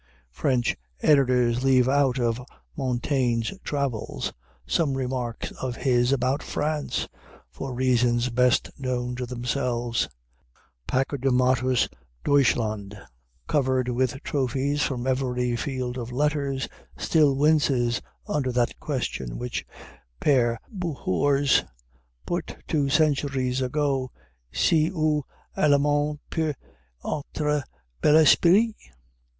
French editors leave out of Montaigne's "Travels" some remarks of his about France, for reasons best known to themselves. Pachydermatous Deutschland, covered with trophies from every field of letters, still winces under that question which Père Bouhours put two centuries ago, _Si un Allemand peut être bel esprit?